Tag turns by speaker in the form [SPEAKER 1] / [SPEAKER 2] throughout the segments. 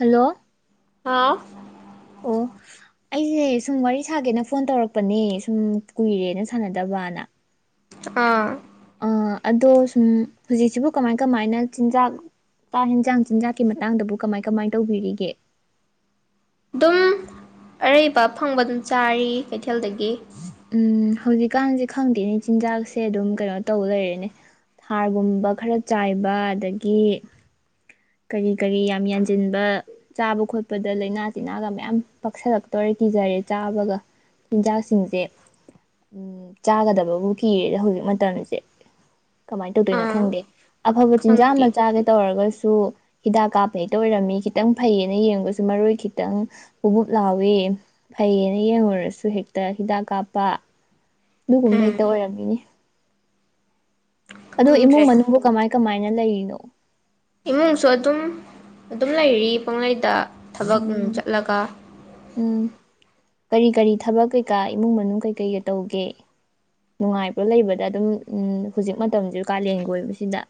[SPEAKER 1] Hello.
[SPEAKER 2] ꯍꯥꯎ꯫
[SPEAKER 1] ꯑꯣ ꯑꯩꯁꯦ ꯁꯨꯝ ꯋꯥꯔꯤ ꯁꯥꯒꯦꯅ ꯐꯣꯟ ꯇꯧꯔꯛꯄꯅꯦ ꯁꯨꯝ ꯀꯨꯏꯔꯦꯅ ꯁꯥꯟꯅꯗꯕꯅ
[SPEAKER 2] ꯑꯥ
[SPEAKER 1] ꯑꯥ ꯑꯗꯣ ꯁꯨꯝ ꯍꯧꯖꯤꯛꯁꯤꯕꯨ ꯀꯃꯥꯏ ꯀꯃꯥꯏꯅ ꯆꯤꯟꯖꯥꯛ ꯆꯥꯛ ꯍꯦꯟꯖꯥꯡ ꯆꯤꯟꯖꯥꯛꯀꯤ ꯃꯇꯥꯡꯗꯕꯨ ꯀꯃꯥꯏ ꯀꯃꯥꯏ ꯇꯧꯕꯤꯔꯤꯒꯦ꯫
[SPEAKER 2] ꯑꯗꯨꯝ ꯑꯔꯩꯕ ꯑꯐꯪꯕ ꯑꯗꯨꯝ ꯆꯥꯔꯤ ꯀꯩꯊꯦꯜꯗꯒꯤ꯫
[SPEAKER 1] ꯎꯝ ꯍꯧꯖꯤꯛꯀꯥꯟꯁꯦ ꯈꯪꯗꯦꯅꯦ ꯆꯤꯟꯖꯥꯛꯁꯦ ꯑꯗꯨꯝ ꯀꯩꯅꯣ ꯇꯧ ꯂꯩꯔꯦꯅꯦ ꯍꯥꫪꯒꯨꯝꯕ ꯈꯔ ꯆꯥꯏꯕ ꯑꯗꯒꯤ ꯀꯔꯤ ꯀꯔꯤ ꯌꯥꯝ ꯌꯥꯟꯁꯤꯟꯕ ꯆꯥꯕ ꯈꯣꯠꯄꯗ ꯂꯥꯏꯅꯥ ꯇꯤꯟꯅꯥꯒ ꯃꯌꯥꯝ ꯄꯥꯛꯁꯜꯂꯛꯇꯣꯏꯔ ꯀꯤꯖꯔꯦ ꯆꯥꯕꯒ ꯆꯤꯟꯖꯥꯛꯁꯤꯡꯁꯦ ꯆꯥꯒꯗꯕꯕꯨ ꯀꯤꯔꯦꯗ ꯍꯧꯖꯤꯛ ꯃꯇꯝꯁꯦ ꯀꯃꯥꯏꯅ ꯇꯧꯗꯣꯏꯅꯣ
[SPEAKER 2] ꯑꯥ
[SPEAKER 1] ꯈꯪꯗꯦ ꯑꯐꯕ ꯆꯤꯟꯖꯥꯛ
[SPEAKER 2] ꯈꯪꯗꯦ
[SPEAKER 1] ꯑꯃ ꯆꯥꯒꯦ ꯇꯧꯔꯒ ꯁꯨ ꯍꯤꯗꯥꯛ ꯀꯥꯞꯄ ꯍꯦꯛꯇ ꯑꯣꯏꯔꯝꯃꯤ ꯈꯤꯇꯪ ꯐꯩꯌꯦꯅ ꯌꯦꯡꯕꯁꯨ ꯃꯔꯣꯏ ꯈꯤꯇꯪ ꯕꯨꯞ ꯕꯨꯞ ꯂꯥꯎꯏ ꯐꯩꯌꯦꯅ ꯌꯦꯡꯉꯨꯔꯁꯨ ꯍꯦꯛꯇ ꯍꯤꯗꯥꯛ ꯀꯥꯞꯄ ꯑꯗꯨꯒꯨꯝꯕ
[SPEAKER 2] ꯎꯝ
[SPEAKER 1] ꯍꯦꯛꯇ ꯑꯣꯏꯔꯝꯃꯤꯅꯦ꯫ ꯑꯗꯣ ꯏꯃꯨꯡ
[SPEAKER 2] ꯈꯪꯗ꯭ꯔꯦ
[SPEAKER 1] ꯃꯅꯨꯡꯕꯨ ꯀꯃꯥꯏ ꯀꯃꯥꯏꯅ ꯂꯩꯔꯤꯅꯣ꯫
[SPEAKER 2] ꯏꯃꯨꯡꯁꯨ ꯑꯗꯨꯝ꯫ ꯑꯗꯨꯝ ꯂꯩꯔꯤ ꯄꯪꯂꯩꯗ꯫ ꯊꯕꯛ
[SPEAKER 1] ꯎꯝ
[SPEAKER 2] ꯆꯠꯂꯒ꯫
[SPEAKER 1] ꯎꯝ ꯀꯔꯤ ꯀꯔꯤ ꯊꯕꯛ ꯀꯩꯀꯥ ꯏꯃꯨꯡ ꯃꯅꯨꯡ ꯀꯩꯀꯩꯒ ꯇꯧꯒꯦ ꯅꯨꯡꯉꯥꯏꯕ꯭꯭ꯔꫭ ꯂꯩꯕꯗ ꯑꯗꯨꯝ ꯎꯝ ꯍꯧꯖꯤꯛ ꯃꯇꯝꯁꯦ ꯀꯥꯂꯦꯟꯒ ꯑꫭꯏꯕꯁꯤꯗ꯫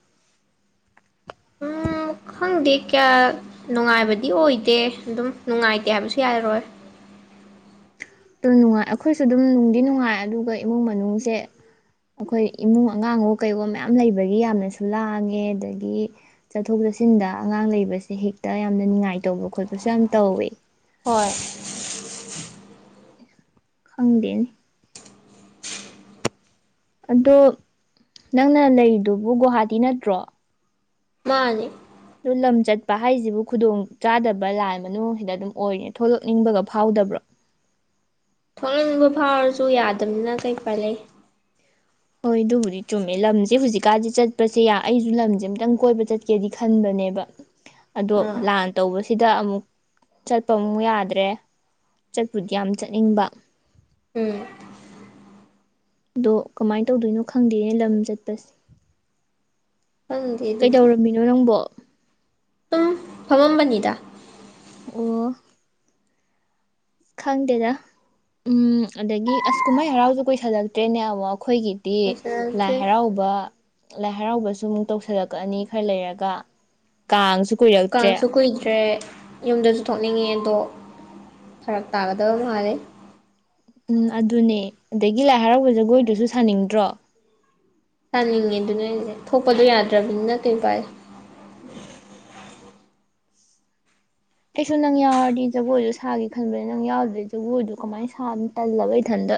[SPEAKER 2] ꯎꯝ ꯈꯪꯗꯦ ꯀꯌꯥ ꯅꯨꯡꯉꯥꯏꯕꯗꯤ ꯑꯣꯏꯗꯦ ꯑꯗꯨꯝ ꯅꯨꯡꯉꯥꯏꯇꯦ ꯍꯥꯏꯕꯁꯨ ꯌꯥꯔꯣꯏ꯫
[SPEAKER 1] ꯑꯗꯨꯝ ꯅꯨꯡꯉꯥꯏ ꯑꯩꯈꯣꯏꯁꯨ ꯑꯗꯨꯝ ꯅꯨꯡꯗꯤ ꯅꯨꯡꯉꯥꯏ ꯑꯗꯨꯒ ꯏꯃꯨꯡ ꯃꯅꯨꯡꯁꯦ ꯑꯩꯈꯣꯏ ꯏꯃꯨꯡ ꯑꯉꯥꯡꯋꫭ ꯀꯩꯋꫭ ꯃꯌꯥꯝ ꯂꯩꯕꯒꯤ ꯌꯥꯝꯅꯁꯨ ꯂꯥꯡꯉꯦ ꯑꯗꯒꯤ ꯆꯠꯊꯣꯛ ꯆꯠꯁꯤꯟꯗ ꯑꯉꯥꯡ ꯂꯩꯕꯁꯦ ꯍꯦꯛꯇ ꯌꯥꯝꯅ ꯅꯤꯉꯥꯏ ꯇꯧꯕ ꯈꯣꯠꯄꯁꯦ ꯌꯥꯝ ꯇꯧꯋꯦ꯫
[SPEAKER 2] ꯍꯣꯏ꯫
[SPEAKER 1] ꯑꯗꯒꯤ ꯈꯪꯗꯦꯅꯦ꯫ ꯑꯗꯣ ꯅꯪꯅ ꯂꯩꯗꯨꯕꯨ ꯒꯨꯋꯥꯍꯥꯇꯤ ꯅꯠꯇ꯭ꯔꯣ꯫
[SPEAKER 2] ꯃꯥꯅꯦ꯫
[SPEAKER 1] ꯑꯗꯨ ꯂꯝ ꯆꯠꯄ ꯍꯥꯏꯁꯤꯕꯨ ꯈꯨꯗꯣꯡ ꯆꯥꯗꯕ ꯂꯥꯜ ꯃꯅꯨꯡꯁꯤꯗ ꯑꯗꯨꯝ ꯑꯣꯏꯔꯦ ꯊꯣꯛꯂꯛꯅꯤꯡꯕꯒ ꯐꯥꯎꯗꯕ꯭ꯔꯣ꯫
[SPEAKER 2] ꯊꯣꯛꯅꯤꯡꯕ ꯐꯥꯎꯔꯁꯨ ꯌꯥꯗꯕꯅꯤꯅ ꯀꯩ ꯄꯥꯏ ꯂꯩ꯫
[SPEAKER 1] ꯍꯣꯏ ꯑꯗꯨꯕꯨꯗꯤ ꯆꯨꯝꯃꯦ ꯂꯝꯁꯦ ꯍꯧꯖꯤꯛꯀꯥꯟꯗꯤ ꯆꯠꯄꯁꯦ ꯑꯩꯁꯨ ꯂꯝꯁꯦ ꯑꯝꯇꯪ ꯀꯣꯏꯕ ꯆꯠꯀꯦꯗꯤ ꯈꯟꯕꯅꯦꯕ꯫ ꯑꯗꯣ
[SPEAKER 2] ꯑꯥ
[SPEAKER 1] ꯂꯥꯟ ꯇꯧꯕ꯫ ꯁꯤꯗ ꯑꯃꯨꯛ ꯆꯠꯄ ꯑꯃꯨꯛ ꯌꯥꯗ꯭ꯔꯦ ꯆꯠꯄꯨꯗꯤ ꯌꯥꯝ ꯆꯠꯅꯤꯡꯕ꯫
[SPEAKER 2] ꯎꯝ꯫
[SPEAKER 1] ꯑꯗꯣ ꯀꯃꯥꯏ ꯇꯧꯗꯣꯏꯅꯣ ꯈꯪꯗꯦꯅꯦ ꯂꯝ ꯆꯠꯄꯁꯦ꯫
[SPEAKER 2] ꯈꯪꯗꯦ
[SPEAKER 1] ꯀꯩꯗꯧꯔꯝꯃꯤꯅꯣ ꯅꯪꯕꯣ꯫
[SPEAKER 2] ꯁꯨꯝ ꯐꯝꯃꯝꯕꯅꯤꯗ꯫
[SPEAKER 1] ꯑꯣ꯫ ꯈꯪꯗꯦꯗ ꯎꯝ ꯑꯗꯒꯤ ꯑꯁ ꯀꯨꯝꯍꯩ ꯍꯔꯥꯎꯁꯨ ꯀꯨꯏꯁꯜꯂꯛꯇ꯭ꯔꯦꯅꯦ ꯑꯃꯨꯛ꯫ ꯑꯩꯈꯣꯏꯒꯤꯗꯤ ꯂꯥꯏ
[SPEAKER 2] ꯂꯣꯏꯁꯤꯜꯂꯛꯇ꯭ꯔꯤ
[SPEAKER 1] ꯍꯔꯥꯎꯕ꯫ ꯂꯥꯏ ꯍꯔꯥꯎꯕꯁꯨ ꯑꯃꯨꯛ ꯇꯧꯁꯜꯂꯛꯀꯑꯅꯤ ꯈꯔ ꯂꯩꯔꯒ ꯀꯥꯡꯁꯨ ꯀꯨꯏꯔꯛꯇ꯭ꯔꯦ
[SPEAKER 2] ꯀꯥꯡꯁꯨ ꯀꯨꯣꯏꯗ꯭ꯔꯦ꯫ ꯌꯨꯝꯗꯁꯨ ꯊꯣꯛꯅꯤꯡꯉꯦ ꯑꯗꯣ ꯐꯔꯛ ꯇꯥꯒꯗꯕ ꯃꯥꯜꯂꯦ
[SPEAKER 1] ꯎꯝ ꯑꯗꯨꯅꯦ ꯑꯗꯒꯤ ꯂꯥꯏ ꯍꯔꯥꯎꯕꯒꯤ ꯖꯒꯣꯏꯗꯨꯁꯨ ꯁꯥꯅꯤꯡꯗ꯭ꯔꯣ꯫
[SPEAKER 2] ꯁꯥꯥꯅꯤꯡꯉꯦ ꯑꯗꯨꯅꯦ ꯍꯥꯏꯖꯦ ꯊꯣꯛꯄꯗꯣ ꯌꯥꯗ꯭ꯔꯕꯅꯤꯅ ꯀꯩ ꯎꯄꯥꯏ ꯂꯩ꯫
[SPEAKER 1] ꯑꯩꯁꯨ ꯅꯪ ꯌꯥꯎꯔꯗꯤ ꯖꯒꯣꯏꯗꯣ ꯁꯥꯒꯦ ꯈꯟꯕꯅ ꯅꯪ ꯌꯥꯎꯗ꯭ꯔꯗꯤ ꯖꯒꯣꯏꯗꯣ ꯀꯃꯥꯏꯅꯤ ꯇꯜꯂꯕ ꯏꯊꯟꯗ꯫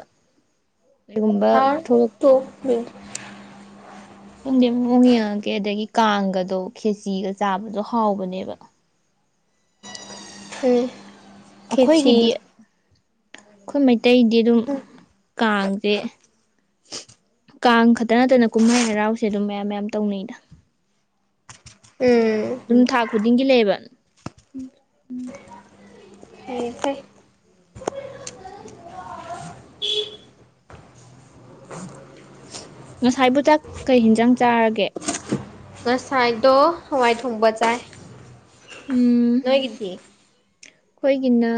[SPEAKER 1] ꯀꯩꯒꯨꯝꯕ
[SPEAKER 2] ꯁꯥꯔ
[SPEAKER 1] [unintelligible]
[SPEAKER 2] [unintelligible]
[SPEAKER 1] ꯈꯪꯗꯦ ꯃꯑꯣꯡ ꯌꯦꯡꯉꯒꯦ ꯑꯗꯒꯤ ꯀꯥꯡꯒꯗꯣ ꯈꯦꯆꯤꯒ ꯆꯥꯕꯗꯣ ꯍꯥꯎꯕꯅꯦꯕ
[SPEAKER 2] ꯎꯝ꯫ ꯈꯦꯆꯤ
[SPEAKER 1] ꯑꯩꯈꯣꯏꯒꯤꯗꯤ ꯑꯩꯈꯣꯏ ꯃꯩꯇꯩꯗꯤ ꯑꯗꯨꯝ ꯀꯥꯡꯁꯦ ꯀꯥꯡ ꯈꯛꯇ ꯅꯠꯇꯅ ꯀꯨꯝꯍꯩ ꯍꯔꯥꯎꯁꯦ ꯑꯗꯨꯝ ꯃꯌꯥꯝ ꯃꯌꯥꯝ ꯇꯧꯅꯩꯗ꯫
[SPEAKER 2] ꯎꯝ꯫
[SPEAKER 1] ꯈꯨꯨꯗꯤꯡꯒꯤ ꯂꯩꯌꯦꯕ꯫
[SPEAKER 2] ꯐꯩ ꯐꯩ
[SPEAKER 1] ꯉꯁꯥꯏꯕꯨ ꯆꯥꯛ ꯀꯩ ꯍꯦꯟꯖꯥꯡ ꯆꯥꯔꯒꯦ꯫
[SPEAKER 2] ꯉꯁꯥꯏꯗꯣ ꯍꯋꯥꯏ ꯊꯣꯡꯕ ꯆꯥꯏ꯫
[SPEAKER 1] ꯎꯝ
[SPEAKER 2] ꯅꯣꯏꯒꯤꯇꯤ꯫
[SPEAKER 1] ꯑꯩꯈꯣꯏꯒꯤꯅ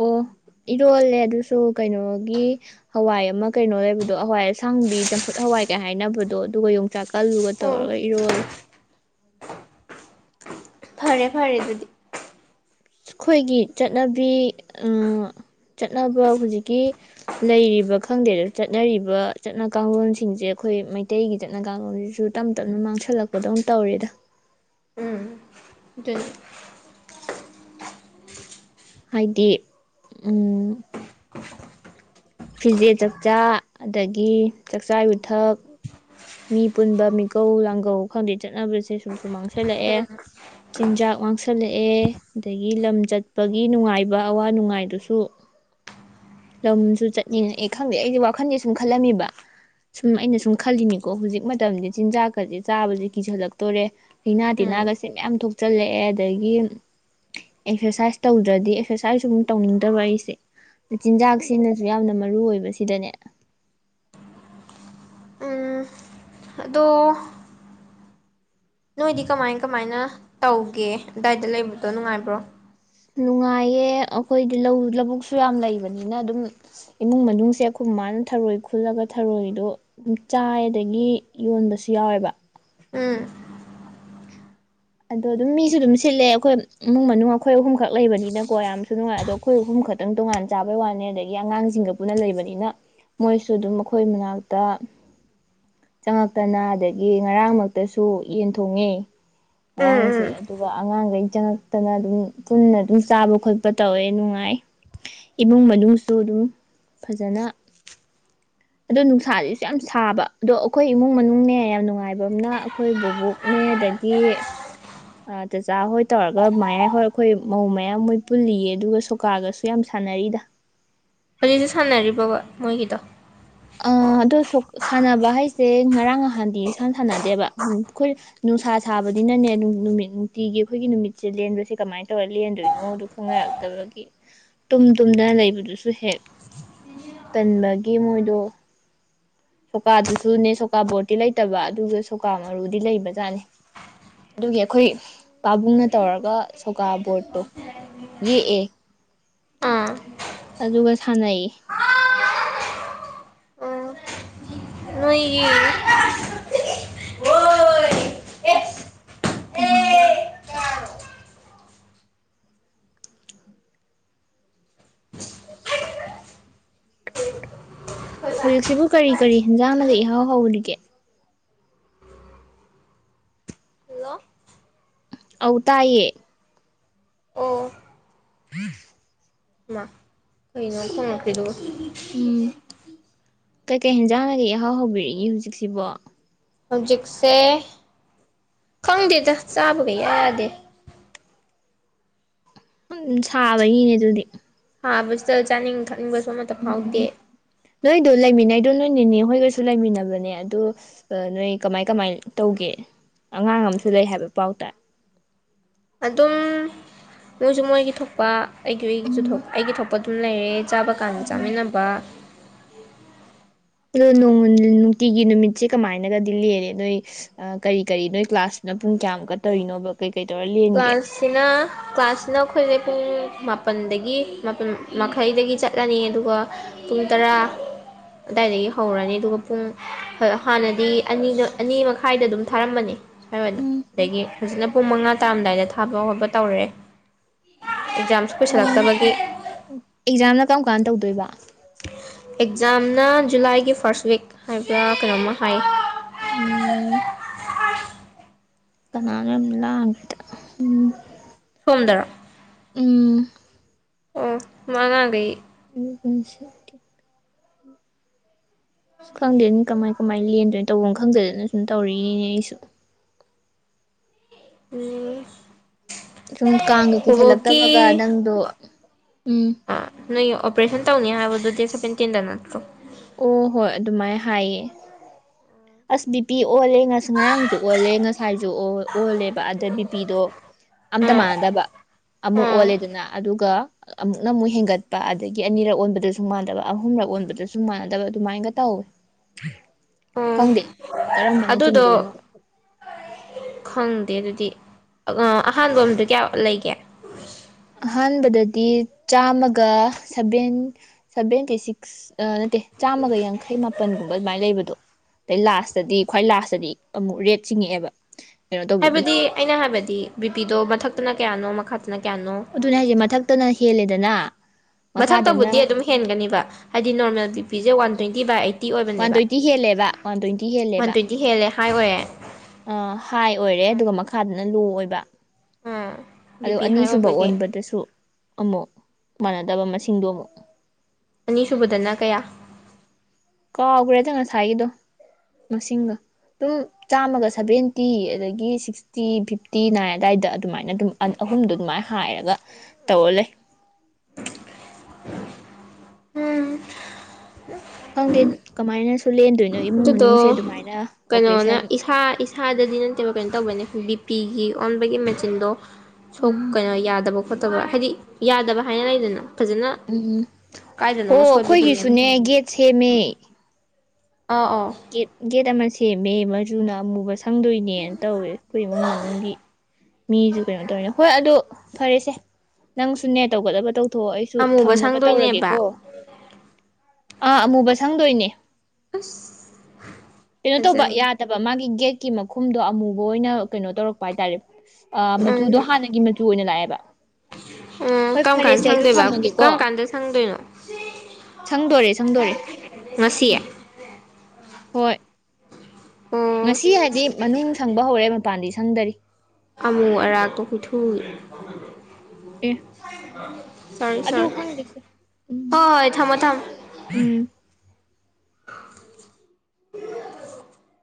[SPEAKER 1] ꯑꯣ ꯏꯔꯣꯜꯂꯦ ꯑꯗꯨꯁꯨ ꯀꯩꯅꯣꯒꯤ ꯍꯋꯥꯏ ꯑꯃ ꯀꯩꯅꯣ ꯂꯩꯕꯗꯣ ꯍꯋꯥꯏ ꯑꯁꯥꯡꯕꯤ ꯆꯝꯐꯨꯠ ꯍꯋꯥꯏ ꯀ ꯍꯥꯏꯅꯕꯗꯣ ꯑꯗꯨꯒ ꯌꯣꯡꯆꯥꯛ ꯑꯜꯂꯨꯒ
[SPEAKER 2] ꯎꯝ
[SPEAKER 1] ꯇꯧꯔꯒ ꯏꯔꯣꯜꯂꯦ꯫
[SPEAKER 2] ꯐꯔꯦ ꯐꯔꯦ ꯑꯗꯨꯗꯤ꯫
[SPEAKER 1] ꯑꯩꯈꯣꯏꯒꯤ ꯆꯠꯅꯕꯤ ꯎꯝ ꯆꯠꯅꯕ ꯍꯧꯖꯤꯛꯀꯤ ꯂꯩꯔꯤꯕ ꯈꯪꯗꯦꯗ ꯆꯠꯅꯔꯤꯕ ꯆꯠꯅ ꯀꯥꯡꯂꯣꯟꯁꯤꯡꯁꯦ ꯑꯩꯈꯣꯏ ꯃꯩꯇꯩꯒꯤ ꯆꯠꯅ ꯀꯥꯡꯂꯣꯟꯁꯤꯁꯨ ꯇꯞ ꯇꯞꯅ ꯃꯥꯡꯁꯜꯂꯛꯄꯗꯧꯅ ꯇꯧꯔꯦꯗ
[SPEAKER 2] ꯎꯝ [unintelligible]
[SPEAKER 1] ꯍꯥꯏꯗꯤ ꯎꯝ ꯐꯤꯖꯦꯠ ꯆꯥꯛꯆꯥ ꯑꯗꯒꯤ ꯆꯥꯛꯆꯥ ꯌꯨꯊꯛ ꯃꯤ ꯄꯨꯟꯕ ꯃꯤꯀꯧ ꯂꯥꯡꯒꯧ ꯈꯪꯗꯦ ꯆꯠꯅꯕꯁꯦ ꯁꯨꯝꯁꯨꯨꯝ ꯃꯥꯡꯁꯜꯂꯛꯑꯦ ꯆꯤꯟꯖꯥꯛ ꯃꯥꯡꯁꯜꯂꯛꯑꯦ ꯑꯗꯒꯤ ꯂꯝ ꯆꯠꯄꯒꯤ ꯅꯨꯡꯉꯥꯏꯕ ꯑꯋꯥ ꯅꯨꯡꯉꯥꯏꯗꯨꯁꯨ ꯂꯝꯁꯨ ꯆꯠꯅꯤꯅꯑ ꯈꯪꯗꯦ ꯑꯩꯗꯤ ꯋꯥꯈꯟꯖꯦ ꯁꯨꯝ ꯈꯜꯂꯝꯃꯤꯕ ꯁꯨꯝ ꯑꯩꯅ ꯁꯨꯝ ꯈꯜꯂꯤꯅꯤ ꯀꯣ ꯍꯧꯖꯤꯛ ꯃꯇꯝꯗꯤ ꯆꯤꯟꯖꯥꯛꯀꯁꯦ ꯆꯥꯕꯕꯁꯦ ꯀꯤꯁꯜꯂꯛꯇꯣꯏꯔꯦ ꯂꯩꯅꯥ
[SPEAKER 2] ꯎꯝ
[SPEAKER 1] ꯇꯤꯟꯅꯥꯒꯁꯦ ꯃꯌꯥꯝ ꯊꯣꯛꯆꯜꯂꯛꯑꯦ ꯑꯗꯒꯤ ꯑꯦꯛꯁꯔꯁꯥꯏꯁ ꯇꯧꯗ꯭ꯔꯗꯤ ꯑꯦꯛꯁꯔꯁꯥꯏꯁ ꯁꯨ ꯇꯧꯅꯤꯡꯗꯕ ꯑꯩꯁꯦ ꯆꯤꯟꯖꯥꯛꯁꯤꯅꯁꯨ ꯌꯥꯝꯅ ꯃꯔꯨꯑꯣ ꯑꯣꯏꯕ ꯁꯤꯗꯅꯦ
[SPEAKER 2] ꯎꯝ ꯑꯗꯣ ꯅꯣꯏꯗꯤ ꯀꯃꯥꯏ ꯀꯃꯥꯏꯅ ꯇꯧꯒꯦ ꯑꯗꯨꯗꯥꯏꯗ ꯂꯩꯕꯗꯣ ꯅꯨꯡꯉꯥꯏꯕ꯭ꯔꯣ꯫
[SPEAKER 1] ꯅꯨꯡꯉꯥꯏꯌꯦ ꯑꯩꯈꯣꯏꯗꯤ ꯂꯧ ꯂꯧꯕꯨꯛꯁꯨ ꯌꯥꯝ ꯂꯩꯕꯅꯤꯅ ꯑꯗꯨꯝ ꯏꯃꯨꯡ ꯃꯅꯨꯡꯁꯦ ꯑꯩꯈꯣꯏ ꯃꯥꯅ ꯊꯔꯣꯏ ꯈꯨꯜꯂꯒ ꯊꯔꯣꯏꯗꯣ ꯆꯥꯏ ꯑꯗꯒꯤ ꯌꯣꯟꯕꯁꯨ ꯌꯥꯎꯋꯦꯕ
[SPEAKER 2] ꯎꯝ꯫
[SPEAKER 1] ꯑꯗꯣ ꯑꯗꯨꯝ ꯃꯤꯁꯨ ꯑꯗꯨꯝ ꯁꯤꯠꯂꯦ ꯑꯩꯈꯣꯏ ꯏꯃꯨꯡ ꯃꯅꯨꯡ ꯑꯩꯈꯣꯏ ꯑꯍꯨꯝꯈꯛ ꯂꯩꯕꯅꯤꯅꯀꯣ ꯌꯥꯝꯁꯨ ꯅꯨꯡꯉꯥꯏ ꯑꯗꯣ ꯑꯩꯈꯣꯏ ꯑꯍꯨꯝ ꯈꯛꯇꯪ ꯇꯣꯉꯥꯟ ꯆꯥꯕꯩ ꯋꯥꯅꯤ ꯑꯗꯒꯤ ꯑꯉꯥꯡꯁꯤꯡꯒ ꯄꯨꯟꯅ ꯂꯩꯕꯅꯤꯅ ꯃꯣꯏꯁꯨ ꯑꯗꯨꯝ ꯑꯩꯈꯣꯏ ꯃꯅꯥꯛꯇ ꯆꯪꯉꯛꯇꯅ ꯑꯗꯒꯤ ꯉꯔꯥꯡꯃꯛꯇꯁꯨ ꯌꯦꯟ ꯊꯣꯡꯉꯦ
[SPEAKER 2] ꯎꯝ
[SPEAKER 1] ꯉꯔꯥꯡꯁꯦ
[SPEAKER 2] ꯎꯝ
[SPEAKER 1] ꯑꯗꯨꯒ ꯑꯉꯥꯡꯗꯩꯩꯅ ꯆꯪꯉꯛꯇꯅ ꯑꯗꯨꯝ ꯄꯨꯟꯅ ꯑꯗꯨꯝ ꯆꯥꯕ ꯈꯣꯠꯄ ꯇꯧꯋꯦ ꯅꯨꯡꯉꯥꯏ ꯏꯃꯨꯡ ꯃꯅꯨꯡꯁꯨ ꯑꯗꯨꯝ ꯐꯖꯅ ꯑꯗꯣ ꯅꯨꯡꯁꯥꯁꯤꯁꯨ ꯌꯥꯝ ꯁꯥꯕ ꯑꯗꯣ ꯑꯩꯈꯣꯏ ꯏꯃꯨꯡ ꯃꯅꯨꯡꯅꯦ ꯌꯥꯝ ꯅꯨꯡꯉꯥꯏꯕ ꯑꯃꯅ ꯑꯩꯈꯣꯏ ꯕꯕꯣꯛꯅꯦ ꯑꯗꯒꯤ ꯆꯆꯥꯥ ꯍꯣꯏ ꯇꯧꯔꯒ ꯃꯌꯥꯏ ꯍꯣꯏ ꯑꯩꯈꯣꯏ ꯃꯧ ꯃꯌꯥꯝ ꯃꯣꯏ ꯄꯨꯜꯂꯤꯌꯦ ꯑꯗꯨꯒ ꯁꯣꯀꯥꯒꯁꯨ ꯌꯥꯝ ꯁꯥꯟꯅꯔꯤꯗ
[SPEAKER 2] ꯍꯧꯖꯤꯛꯁꯨ ꯁꯥꯟꯅꯔꯤꯕꯣꯕꯥ ꯃꯣꯏꯒꯤꯗꯣ꯫
[SPEAKER 1] ꯑ ꯑꯗꯣ ꯁꯣꯛ ꯁꯥꯟꯅꯕ ꯍꯥꯏꯁꯦ ꯉꯔꯥꯡ ꯅꯍꯥꯟꯗꯤ ꯏꯁꯟꯁꯥꯅ ꯁꯥꯟꯅꯗꯦꯕ ꯑꯩꯈꯣꯏ ꯅꯨꯡꯁꯥ ꯁꯥꯕꯅꯤꯅꯅꯦ ꯅꯨꯃꯤꯠ ꯅꯨꯡꯇꯤꯒꯤ ꯑꯩꯈꯣꯏꯒꯤ ꯅꯨꯃꯤꯠꯁꯦ ꯂꯦꯟꯕꯁꯦ ꯀꯃꯥꯏꯅ ꯇꯧꯔ ꯂꯦꯟꯗꯣꯏꯅꯣꯗꯨ ꯈꯪꯅꯔꯛꯇꯕꯒꯤ ꯇꯨꯝ ꯇꯨꯝꯗꯅ ꯂꯩꯕꯗꯨꯁꯨ ꯍꯦꯛ ꯇꯟꯕꯒꯤ ꯃꯣꯏꯗꯣ ꯁꯣꯀꯥꯗꯨꯁꯨꯅꯦ ꯁꯣꯀꯥꯕꯣꯔꯠꯇꯤ ꯂꯩꯇꯕ ꯑꯗꯨꯒ ꯁꯣꯀꯥ ꯃꯔꯨꯗꯤ ꯂꯩꯕꯖꯥꯠꯅꯤ ꯑꯗꯨꯒꯤ ꯑꯩꯈꯣꯏ ꯄꯥꯕꯨꯡꯅ ꯇꯧꯔꯒ ꯁꯣꯀꯥꯕꯣꯔꯠꯇꯣ ꯌꯦꯛꯑꯦ
[SPEAKER 2] ꯑꯥ
[SPEAKER 1] ꯑꯗꯨꯒ ꯁꯥꯟꯅꯩꯌꯦ꯫
[SPEAKER 2] ꯑꯣ ꯅꯣꯏꯒꯤ
[SPEAKER 1] ꯑꯁ [unintelligible] ꯍꯧꯖꯤꯛꯁꯤꯕꯨ ꯀꯔꯤ ꯀꯔꯤ ꯍꯦꯟꯖꯥꯡꯅꯒ ꯏꯍꯥꯎ ꯍꯥꯎꯔꯤꯒꯦ꯫
[SPEAKER 2] ꯍꯜꯂꯣ
[SPEAKER 1] ꯑꯥꯎ ꯇꯥꯏꯌꯦ꯫
[SPEAKER 2] ꯑꯣ
[SPEAKER 1] [unintelligible]
[SPEAKER 2] ꯃꯥ ꯀꯩꯅꯣ ꯈꯨꯝꯃꯛꯇ꯭ꯔꯤꯗꯨꯕꯨ꯫
[SPEAKER 1] ꯎꯝ꯫ ꯀꯩꯀꯩ ꯍꯦꯟꯖꯥꯡꯅꯒ ꯏꯍꯥꯎ ꯍꯧꯕꯤꯔꯤꯒꯦ ꯍꯧꯖꯤꯛꯁꯤꯕꯣ꯫
[SPEAKER 2] ꯍꯧꯖꯤꯛꯁꯦ ꯈꯪꯗꯦꯗ ꯆꯥꯕꯒ ꯢꯌꯥ ꯌꯥꯗꯦ꯫
[SPEAKER 1] ꯎꯝ ꯁꯥꯕꯒꯤꯅꯦ ꯑꯗꯨꯗꯤ꯫
[SPEAKER 2] ꯍꯥꯥꯕꯁꯤꯗ ꯆꯥꯅꯤꯡ ꯊꯛꯅꯤꯡꯕ ꯁꯨ ꯑꯃꯠꯇ ꯐꯥꯎꯗꯦ꯫
[SPEAKER 1] ꯑꯗꯨ ꯂꯩꯃꯤꯟꯅꯩꯗꯣ ꯅꯣꯏ ꯅꯦꯅꯦ ꯍꯣꯏꯒꯁꯨ ꯂꯩꯃꯤꯟꯅꯕꯅꯦ ꯑꯗꯨ ꯅꯣꯏ ꯀꯃꯥꯏ ꯀꯃꯥꯏ ꯇꯧꯒꯦ ꯑꯉꯥꯡ ꯑꯃꯁꯨ ꯂꯩ ꯍꯥꯏꯕ ꯄꯥꯎ ꯇꯥꯏ꯫
[SPEAKER 2] ꯑꯗꯨꯝ ꯃꯣꯏꯁꯨ ꯃꯣꯏꯒꯤ ꯊꯣꯛꯄ ꯑꯩꯒꯤꯁꯨ
[SPEAKER 1] ꯎꯝ
[SPEAKER 2] ꯑꯩꯒꯤ ꯊꯣꯛꯄ ꯑꯗꯨꯝ ꯂꯩꯔꯦ꯫ ꯆꯥꯕ ꯀꯥꯟ ꯆꯥꯃꯤꯟꯅꯕ꯫
[SPEAKER 1] ꯑꯗꯨ ꯅꯣꯡꯃ ꯅꯨꯡꯇꯤꯒꯤ ꯅꯨꯃꯤꯠꯁꯤ ꯀꯃꯥꯏꯅꯒꯗꯤ ꯂꯦꯜꯂꯤ ꯅꯣꯏ ꯀꯔꯤ ꯀꯔꯤ ꯅꯣꯏ ꯀ꯭ꯂꯥꯁꯅ ꯄꯨꯡ ꯀꯌꯥꯃꯨꯛꯀ ꯇꯧꯔꯤꯅꯣꯕ ꯀꯩꯀꯩ ꯇꯧꯔ ꯂꯦꯟꯒꯦ
[SPEAKER 2] ꯀ꯭ꯂꯥꯁꯤꯅ ꯀ꯭ꯂꯥꯁꯤꯅ ꯑꯩꯈꯣꯏꯖꯦ ꯄꯨꯡ ꯃꯥꯄꯟꯗꯒꯤ꯫ ꯃꯥꯄꯟ
[SPEAKER 1] ꯎꯝ
[SPEAKER 2] ꯃꯈꯩꯗꯒꯤ ꯆꯠ ꯆꯠꯂꯅꯤ ꯑꯗꯨꯒ ꯄꯨꯡ ꯇꯔꯥ ꯑꯗ꯭ꯋꯥꯏꯗꯒꯤ ꯍꯧꯔꯅꯤ ꯑꯗꯨꯒ ꯄꯨꯡ ꯍ ꯍꯥꯟꯅꯗꯤ ꯑꯅꯤꯗ ꯑꯅꯤ ꯃꯈꯥꯏꯗ ꯗꯨꯝ ꯊꯥꯔꯝꯕꯅꯦ꯫ ꯁ꯭ꯋꯥꯏ ꯋꯥꯏꯗ꯫ ꯍꯧꯖꯤꯛꯅ ꯄꯨꯡ ꯃꯉꯥ ꯇꯥꯔꯝꯗꯥꯏꯗ ꯊꯥꯕ ꯈꯣꯠꯄ ꯇꯧꯔꯦ꯫ ꯑꯦꯛꯖꯥꯝꯁꯨ
[SPEAKER 1] ꯑꯣ
[SPEAKER 2] ꯀꯨꯁꯜꯂꯛꯇꯕꯒꯤ꯫
[SPEAKER 1] ꯑꯦꯛꯖꯥꯝꯅ ꯀꯔꯝ ꯀꯥꯟ ꯇꯧꯗꯣꯏꯕ꯫
[SPEAKER 2] ꯑꯦꯛꯖꯥꯝꯅ ꯖꯨꯂꯥꯏꯒꯤ ꯐꯥꯔ꯭ꯁꯠ ꯋꯤꯛ ꯍꯥꯏꯕ꯭ꯔ ꯀꯩꯅꯣꯝꯃ ꯍꯥꯏ꯫
[SPEAKER 1] ꯎꯝ꯫ ꯀꯅꯥꯅꯣ ꯌꯥꯝ ꯂꯥꯡ [unintelligible]
[SPEAKER 2] ꯇꯨꯝꯗ꯭ꯔ
[SPEAKER 1] ꯎꯝ꯫
[SPEAKER 2] ꯑꯣ ꯃꯉꯥꯡꯒꯩ
[SPEAKER 1] [unintelligible] ꯈꯪꯗꯦꯅꯤ ꯀꯃꯥꯏ ꯀꯃꯥꯏ ꯂꯦꯟꯗꯣꯏ ꯇꯧꯕꯝ ꯈꯪꯗꯗꯅ ꯁꯨꯝ ꯇꯧꯔꯛꯅꯏꯅꯤꯅꯦ ꯑꯩꯁꯨ꯫
[SPEAKER 2] [unintelligible]
[SPEAKER 1] ꯁꯨꯝ ꯀꯥꯡꯒ
[SPEAKER 2] ꯕꯣꯕꯣꯛꯀꯤ
[SPEAKER 1] ꯀꯨꯁꯜꯂꯛꯇꯕꯒ ꯅꯪꯗꯣ ꯎꯝ꯫
[SPEAKER 2] ꯅꯣꯏꯒꯤ ꯑꯣꯄꯔꯦꯁꯟ ꯇꯧꯅꯤ ꯍꯥꯏꯕꯗꯣ ꯗꯦꯠ ꯁꯕꯦꯟꯇꯤꯟꯗ ꯅꯠꯇ꯭ꯔꯣ꯫
[SPEAKER 1] ꯑꯣ ꯍꯣꯏ ꯑꯗꯨꯃꯥꯏꯅ ꯍꯥꯏꯌꯦ ꯑꯁ ꯕꯤ ꯄꯤ ꯑꯣꯜꯂꯦ ꯉ ꯉꯔꯥꯡꯖꯨ ꯑꯣꯜꯂꯦ ꯉꯁꯥꯏ ꯑꯣꯜꯂꯦꯕ ꯑꯗ ꯕꯤꯄꯤꯗꯣ ꯑꯝꯇ
[SPEAKER 2] ꯎꯝ
[SPEAKER 1] ꯃꯥꯟꯅꯗꯕ ꯑꯃꯨꯛ
[SPEAKER 2] ꯎꯝ
[SPEAKER 1] ꯑꯣꯜꯂꯦꯗꯅ ꯑꯗꯨꯒ ꯑꯃꯨꯛꯅꯃꯨꯛ ꯍꯦꯟꯒꯠꯄ ꯑꯗꯒꯤ ꯑꯅꯤꯔꯛ ꯑꯣꯟꯕꯗꯁꯨ ꯃꯥꯟꯅꯗꯕ ꯑꯍꯨꯝꯔꯛ ꯑꯣꯟꯕꯗ ꯁ ꯁꯨꯝ ꯃꯥꯟꯅꯗꯕ ꯑꯗꯨꯃꯥꯏꯅꯒ ꯇꯧꯋꯦ꯫
[SPEAKER 2] ꯑꯣ
[SPEAKER 1] ꯈꯪꯗꯦ ꯀꯔꯝꯕꯅ
[SPEAKER 2] ꯑꯗꯨꯗꯣ
[SPEAKER 1] ꯆꯨꯝꯗꯣꯏꯅꯣ
[SPEAKER 2] ꯈꯪ ꯑꯗꯨꯗꯤ ꯑꯥ ꯑꯍꯥꯟꯕꯝꯗ ꯀꯌꯥ ꯂꯩꯒꯦ꯫
[SPEAKER 1] ꯑꯍꯥꯟꯕꯗꯗꯤ ꯆꯥꯝꯃꯒ ꯁꯕꯦꯟ ꯁꯕꯦꯟꯀ ꯁꯤꯛꯁ ꯑꯥ ꯅꯠꯇꯦ ꯆꯥꯝꯃꯒ ꯌꯥꯡꯈꯩ ꯃꯥꯄꯟꯒꯨꯝꯕ ꯑꯗꯨꯃꯥꯏꯅ ꯂꯩꯕꯗꯣ ꯑꯗꯩ ꯂꯥꯁꯇꯗꯤ ꯈ꯭ꯋꯥꯏ ꯂꯥꯁꯇꯗꯤ ꯑꯃꯨꯛ ꯔꯦꯠ ꯆꯤꯡꯉꯛꯑꯦꯕ꯫ ꯀꯩꯅꯣ ꯇꯧꯕꯒꯤ
[SPEAKER 2] ꯍꯥꯏꯕꯗꯤ ꯑꯩꯅ ꯍꯥꯏꯕꯗꯤ ꯕꯤꯄꯤꯤꯗꯣ ꯃꯊꯛꯇꯅ ꯀꯌꯥꯅꯣ ꯃꯈꯥ
[SPEAKER 1] ꯑꯗꯨꯅꯦ ꯍꯥꯏꯖꯦ ꯃꯊꯛꯇꯅ ꯍꯦꯜꯂꯦꯗꯅ꯫ ꯃꯈꯥꯗꯅ
[SPEAKER 2] ꯃꯊꯛꯇꯕꯨꯗꯤ ꯑꯗꯨꯝ ꯍꯦꯟꯒꯅꯤꯕ ꯍꯥꯏꯗꯤ ꯅꯣꯔꯃꯦꯜ ꯕꯤ ꯄꯤꯖ one twenty by eight.
[SPEAKER 1] One twenty ꯍꯦꯜꯂꯦꯕ ꯋꯥꯟ ꯇ꯭ꯋꯦꯟꯇꯤ
[SPEAKER 2] ꯋꯥꯟ
[SPEAKER 1] ꯍꯦꯜꯂꯦꯕ
[SPEAKER 2] ꯇ꯭ꯋꯦꯟꯇꯤ ꯍꯦꯜꯂꯦ ꯍꯥꯏ ꯑꯣꯏꯔꯦ
[SPEAKER 1] ꯑ ꯍꯥꯏ ꯑꯣꯏꯔꯦ ꯑꯗꯨꯒ ꯃꯈꯥꯗꯅ ꯂꯣ ꯑꯣꯏꯕ꯫
[SPEAKER 2] ꯎꯝ ꯕꯤ
[SPEAKER 1] ꯑꯗꯨ
[SPEAKER 2] ꯄꯤ ꯍꯥꯏ
[SPEAKER 1] ꯑꯅꯤꯁꯨꯕ
[SPEAKER 2] ꯑꯣꯏꯕꯒꯤ
[SPEAKER 1] ꯑꯣꯟꯕꯗꯁꯨ ꯑꯃꯨꯛ꯫ ꯃꯥꯟꯅꯗꯕ ꯃꯁꯤꯡꯗꯣ ꯑꯃꯨꯛ꯫
[SPEAKER 2] ꯑꯅꯤꯁꯨꯕꯗꯅ ꯀꯌꯥ꯫
[SPEAKER 1] ꯀꯥꯎꯈ꯭ꯔꯦꯗ ꯉꯁꯥꯏꯒꯤꯗꯣ ꯃꯁꯤꯡꯒ ꯑꯗꯨꯝ ꯆꯥꯝꯃꯒ ꯁꯚꯦꯟꯇꯤ ꯑꯗꯒꯤ ꯁꯤꯛꯁꯇꯤ ꯐꯤꯐꯇꯤ ꯅꯥꯏ ꯑꯗꯥꯏꯗ ꯑꯗꯨꯃꯥꯏꯅ ꯑꯗꯨꯝ ꯑꯍꯨꯝꯗꯣ ꯑꯗꯨꯃꯥꯏꯅ ꯍꯥꯏꯔꯒ ꯇꯧꯔ ꯂꯩ꯫
[SPEAKER 2] ꯎꯝ꯫
[SPEAKER 1] ꯈꯪꯗꯦ ꯀꯃꯥꯏꯅ
[SPEAKER 2] ꯑꯗꯨꯗꯣ ꯀꯩꯅꯣꯅ
[SPEAKER 1] ꯑꯣꯄꯔꯦꯁꯟ
[SPEAKER 2] ꯏꯁꯥ ꯏꯁꯥꯗꯗꯤ ꯅꯠꯇꯦꯕ ꯀꯩꯅꯣ ꯇꯧꯕꯩꯅꯦ ꯕꯤ ꯄꯤꯒꯤ ꯑꯣꯟꯕꯒꯤ ꯃꯦꯆꯤꯟꯗꯣ
[SPEAKER 1] ꯎꯝ
[SPEAKER 2] ꯀꯩꯅꯣ ꯌꯥꯗꯕ ꯈꯣꯠꯇꯕ ꯍꯥꯏꯗꯤ ꯌꯥꯗꯕ ꯍꯥꯏꯅ ꯂꯩꯗꯅ ꯐꯖꯅ
[SPEAKER 1] ꯎꯝ ꯑꯣ
[SPEAKER 2] ꯀꯥꯏꯗꯅꯣꯝꯃ ꯁꯣꯏꯕꯒꯤꯅꯦꯕ꯫
[SPEAKER 1] ꯑꯩꯈꯣꯏꯒꯤꯁꯨꯅꯦ ꯒꯦꯠ ꯁꯦꯝꯃꯦ
[SPEAKER 2] ꯑꯥ ꯑꯣ
[SPEAKER 1] ꯒꯦꯠ ꯒꯦꯠ ꯑꯃ ꯁꯦꯝꯃꯦ ꯃ ꯨꯃꯆꯨꯅ ꯑꯃꯨꯕ ꯁ ꯁꯪꯗꯣꯏꯅꯦꯅ ꯇꯧꯋꯦ ꯑꯩꯈꯣꯏ ꯏꯃꯨꯡ ꯃꯅꯨꯡꯒꯤ ꯃꯤꯁꯨ ꯀꯩꯅꯣ ꯇꯧꯋꯅꯦ ꯍꯣꯏ ꯑꯗꯣ ꯐꯔꯦꯁꯦ ꯅꯪꯁꯨꯅꯦ ꯇꯧꯒꯗꯕ ꯇꯧ ꯍꯣ ꯑꯩꯁꯨ
[SPEAKER 2] ꯑꯃꯨꯕ
[SPEAKER 1] ꯊꯝꯅꯕ
[SPEAKER 2] ꯁꯪꯗꯣꯏꯅꯦꯕ
[SPEAKER 1] ꯇꯧꯔꯒꯦꯀꯣ꯫ ꯑꯥ ꯑꯃꯨꯕ ꯁꯪꯗꯣꯏꯅꯦ꯫
[SPEAKER 2] ꯑꯁ
[SPEAKER 1] ꯀꯩꯅꯣ
[SPEAKER 2] ꯐꯖ
[SPEAKER 1] ꯇꯧꯕ ꯌꯥꯗꯕ ꯃꯥꯒꯤ ꯒꯦꯠ ꯀꯤ ꯃꯈꯨꯝꯗꯣ ꯑꯃꯨꯕ ꯑꯣꯏꯅ ꯀꯩꯅꯣ ꯇꯧꯔꯛꯄ ꯍꯥꯏꯇꯥꯔꯦ ꯑꯥ
[SPEAKER 2] ꯎꯝ
[SPEAKER 1] ꯃꯆꯨꯗꯣ ꯍꯥꯟꯅꯒꯤ ꯃꯆꯨ ꯑꯣꯏꯅ ꯂꯥꯛꯑꯦꯕ
[SPEAKER 2] ꯎꯝ
[SPEAKER 1] ꯍꯣꯏ
[SPEAKER 2] ꯀꯔꯝ ꯀꯥꯟꯗ
[SPEAKER 1] ꯐꯔꯦꯁꯦ ꯑꯩꯁꯨ
[SPEAKER 2] ꯁꯪꯗꯣꯏꯕ
[SPEAKER 1] ꯊꯝꯃꯒꯦꯀꯣ
[SPEAKER 2] ꯀꯔꯝ ꯀꯥꯟꯗ ꯁꯪꯗꯣꯏꯅꯣ
[SPEAKER 1] ꯁꯪꯗꯣꯏꯔꯦ ꯁꯪꯗꯣꯏꯔꯦ
[SPEAKER 2] ꯉꯁꯤ
[SPEAKER 1] ꯎꯝ꯫ ꯍꯣꯏ꯫
[SPEAKER 2] ꯑꯣ
[SPEAKER 1] ꯉꯁꯤ ꯍꯥꯏꯗꯤ ꯃꯅꯨꯡ ꯁꯪꯕ ꯍꯧꯔꯦ ꯃꯄꯥꯟꯗꯤ ꯁꯡꯗꯔꯤ꯫
[SPEAKER 2] ꯑꯃꯨ ꯑꯔꯥꯛ ꯇꯣ [unintelligible]
[SPEAKER 1] ꯑꯦ
[SPEAKER 2] ꯁꯣꯔꯤ
[SPEAKER 1] ꯑꯗꯨ
[SPEAKER 2] ꯁꯣꯔꯤ
[SPEAKER 1] ꯈꯪꯗꯦꯁꯦ ꯎꯝ
[SPEAKER 2] ꯍꯣꯏ ꯍꯣꯏ ꯊꯝꯃꯣ ꯊꯝꯃꯣ꯫
[SPEAKER 1] ꯎꯝ
[SPEAKER 2] [unintelligible]